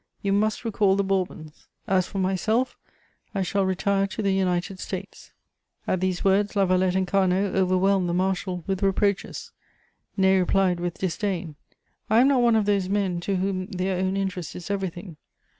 You must recall the Bourbons. As for myself, I shall retire to the United States." At these words, Lavallette and Carnot overwhelmed the marshal with reproaches; Ney replied, with disdain: "I am not one of those men to whom their own interest is everything.